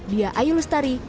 dia ayu lustari